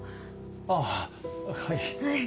あぁはい。